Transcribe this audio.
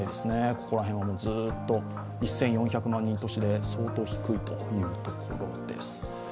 ここら辺はずっと１４００万人都市で相当低いというところです。